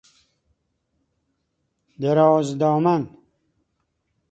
درازدامن